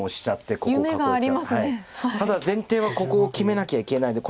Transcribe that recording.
ただ前提はここを決めなきゃいけないんで。